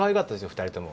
２人とも。